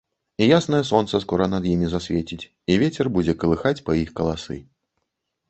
І яснае сонца скора над імі засвеціць, і вецер будзе калыхаць па іх каласы.